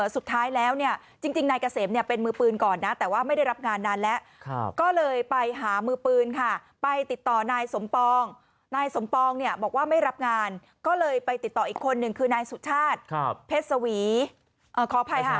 สุดท้ายแล้วเนี่ยจริงนายเกษมเนี่ยเป็นมือปืนก่อนนะแต่ว่าไม่ได้รับงานนานแล้วก็เลยไปหามือปืนค่ะไปติดต่อนายสมปองนายสมปองเนี่ยบอกว่าไม่รับงานก็เลยไปติดต่ออีกคนหนึ่งคือนายสุชาติเพชรสวีขออภัยค่ะ